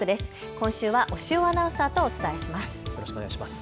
今週は押尾アナウンサーとお伝えします。